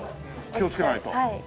気をつけないと。